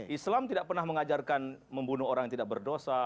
islam tidak pernah mengajarkan membunuh orang yang tidak berdosa